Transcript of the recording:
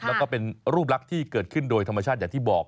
แล้วก็เป็นรูปลักษณ์ที่เกิดขึ้นโดยธรรมชาติอย่างที่บอก